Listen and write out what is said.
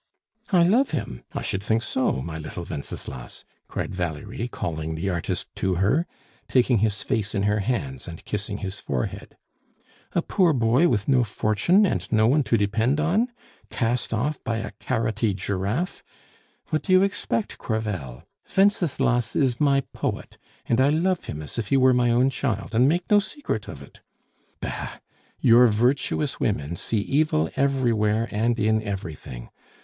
"I love him! I should think so, my little Wenceslas!" cried Valerie, calling the artist to her, taking his face in her hands, and kissing his forehead. "A poor boy with no fortune, and no one to depend on! Cast off by a carrotty giraffe! What do you expect, Crevel? Wenceslas is my poet, and I love him as if he were my own child, and make no secret of it. Bah! your virtuous women see evil everywhere and in everything.